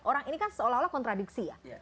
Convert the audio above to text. orang ini kan seolah olah kontradiksi ya